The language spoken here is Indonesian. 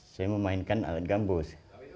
saya memainkan alat gambus